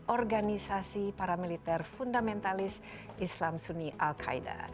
organisasi paramiliter fundamentalis islam suni al qaeda